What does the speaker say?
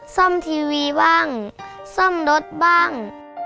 ซ่อมทีวีบ้างซ่อมรถบ้าง